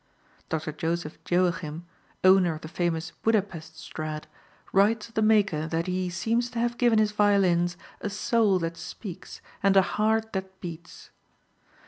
Dr. Joseph Joachim, owner of the famous Buda Pesth Strad, writes of the maker that he "seems to have given his violins a soul that speaks and a heart that beats."